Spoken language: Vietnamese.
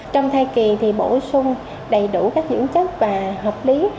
trong thai kỳ thì bổ sung đầy đủ các dưỡng chất và hợp lý